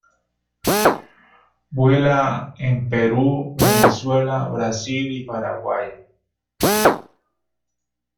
Vuela en Perú, Venezuela, Brasil y Paraguay.